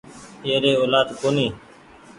ايري اولآد ڪونيٚ